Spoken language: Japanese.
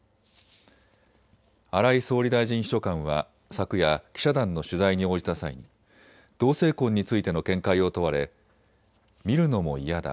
荒井総理大臣秘書官は昨夜、記者団の取材に応じた際に同性婚についての見解を問われ見るのも嫌だ。